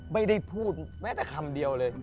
ไม่ได้พูดแม้แต่คำเดียวเลย